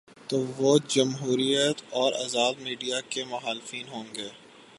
تو وہ جمہوریت اور آزاد میڈیا کے مخالفین ہو ں گے۔